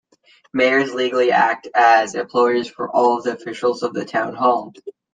Mayors legally act as employers for all of the officials of the town hall.